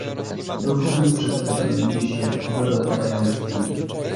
Dokument przedstawiony dziś jest zadowalający